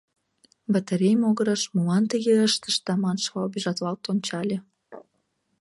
Батарей могырыш «Молан тыге ыштышда?» маншыла обижатлалт ончале.